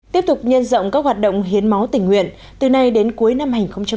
tiếp tục nhân rộng các hoạt động hiến máu tình nguyện từ nay đến cuối năm hai nghìn hai mươi